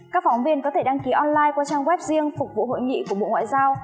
các phóng viên có thể đăng ký online qua trang web riêng phục vụ hội nghị của bộ ngoại giao